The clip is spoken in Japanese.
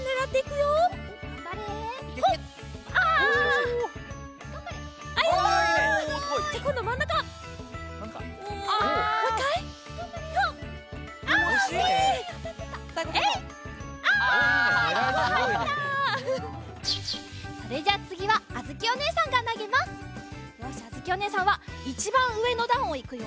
よしあづきおねえさんはいちばんうえのだんをいくよ。